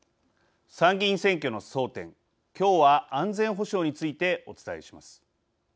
参議院選挙の争点、きょうは安全保障についてお伝えします。